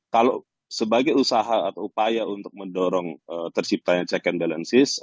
kalau sebagai usaha atau upaya untuk mendorong terciptanya check and balances